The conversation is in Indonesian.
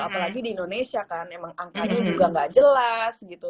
apalagi di indonesia kan emang angkanya juga nggak jelas gitu